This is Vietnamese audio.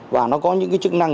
và nó có những chức năng